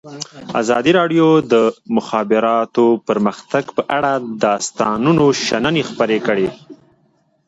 ازادي راډیو د د مخابراتو پرمختګ په اړه د استادانو شننې خپرې کړي.